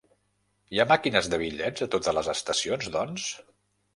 Hi ha màquines de bitllets a totes les estacions doncs?